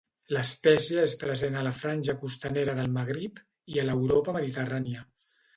L'espècie és present a la franja costanera del Magrib i a l'Europa mediterrània.